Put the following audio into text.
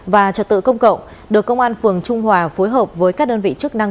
và trật tự công cộng được công an phường trung hòa phối hợp với các đơn vị chức năng